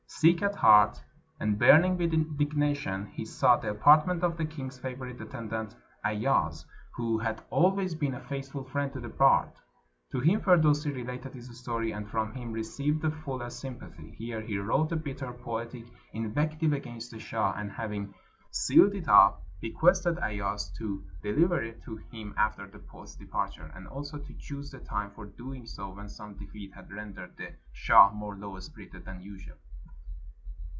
Sick at heart, and burn ing with indignation, he sought the apartment of the king's favorite attendant, Ayaz, who had always been a faithful friend to the bard. To him Firdusi related his story, and from him received the fullest sympathy. Here he wrote a bitter poetic invective against the shah, and having sealed it up, requested Ayaz to deliver it to him after the poet's departure, and also to choose the time for doing so when some defeat had rendered the shah more low spirited than usual.